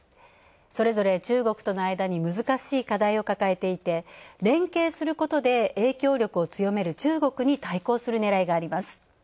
それぞれ中国との間に難しい課題を抱えていて連携することで影響力を強める中国に対抗するねらいがあります。